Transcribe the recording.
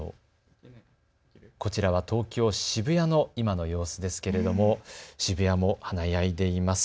こちらは東京渋谷の今の様子ですけれども渋谷もはなやいでいます。